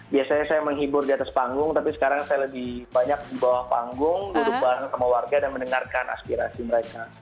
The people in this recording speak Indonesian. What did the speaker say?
biasanya saya menghibur di atas panggung tapi sekarang saya lebih banyak di bawah panggung duduk bareng sama warga dan mendengarkan aspirasi mereka